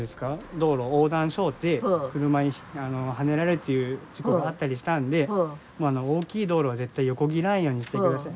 道路横断しょうて車にはねられるという事故があったりしたんで大きい道路は絶対横切らんようにしてください。